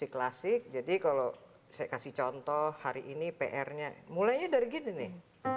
klasik jadi kalau saya kasih contoh hari ini pr nya mulainya dari gini nih